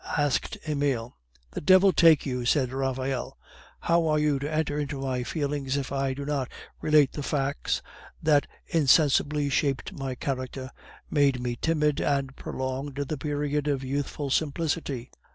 asked Emile. "The devil take you!" said Raphael. "How are you to enter into my feelings if I do not relate the facts that insensibly shaped my character, made me timid, and prolonged the period of youthful simplicity?